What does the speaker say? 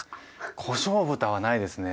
こしょう豚はないですね。